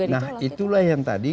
nah itulah yang tadi